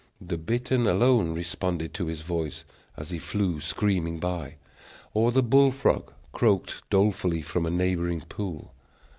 The bittern alone responded to his voice, as he flew screaming by; or the bull frog croaked dolefully from a neighboring pool.